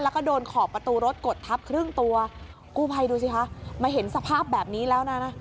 แล้วก็โดนขอบประตูรถกดทับครึ่งตัวกู้ภัยดูสิคะมาเห็นสภาพแบบนี้แล้วนะ